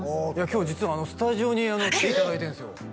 今日実はスタジオに来ていただいてるんですよ